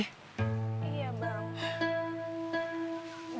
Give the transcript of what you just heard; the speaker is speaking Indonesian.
hasil jual tanah yang dibeli oleh rahmadi